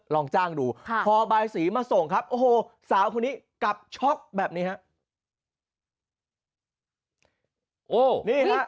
ลองจ้างดูพอบายสีมาส่งครับโอ้โหสาวคนนี้กลับช็อกแบบนี้ฮะ